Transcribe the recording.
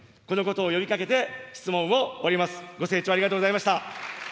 このことを呼びかけて、質問を終わります。